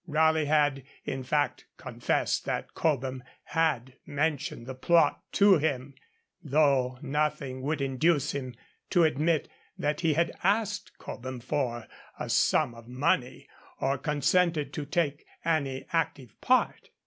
Raleigh had, in fact, confessed that Cobham had mentioned the plot to him, though nothing would induce him to admit that he had asked Cobham for a sum of money, or consented to take any active part.